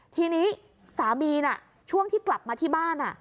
ทีนี้สามีน่ะช่วงที่กลับมาที่บ้าน